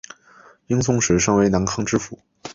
英宗时升为南康知府。